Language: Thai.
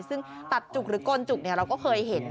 ซึ่งตัดจุกหรือโกนจุกเราก็เคยเห็น